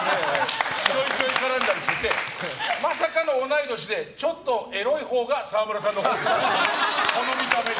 ちょいちょい絡んだりしててまさかの同い年でちょっとエロいほうが沢村さんです。